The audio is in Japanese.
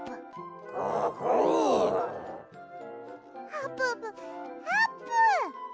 あぷぷあーぷん！